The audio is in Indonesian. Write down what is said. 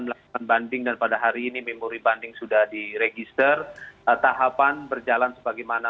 melakukan banding dan pada hari ini memori banding sudah diregister tahapan berjalan sebagaimana